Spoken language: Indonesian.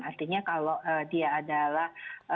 artinya kalau dia adalah